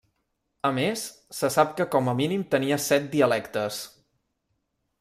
A més, se sap que com a mínim tenia set dialectes.